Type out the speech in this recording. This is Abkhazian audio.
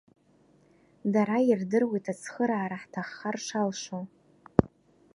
Дара ирдыруеит ацхыраара ҳҭаххар шалшо.